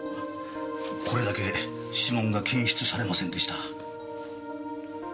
これだけ指紋が検出されませんでした。